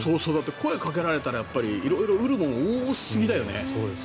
声かけられたら色々売るもの多すぎだよね。